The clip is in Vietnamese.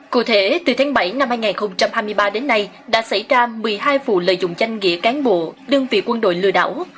cụ thể từ tháng bảy năm hai nghìn hai mươi ba đến nay đã xảy ra một mươi hai vụ lợi dụng danh nghĩa cán bộ đơn vị quân đội lừa đảo